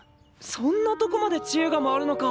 そんなとこまでちえが回るのか！